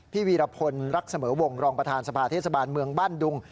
วีรพลรักเสมอวงรองประธานสภาเทศบาลเมืองบ้านดุง